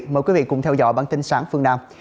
mời quý vị cùng theo dõi bản tin sáng phương nam